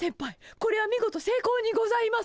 これは見事せいこうにございます！